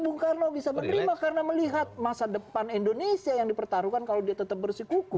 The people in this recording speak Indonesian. bung karno bisa menerima karena melihat masa depan indonesia yang dipertaruhkan kalau dia tetap bersikuku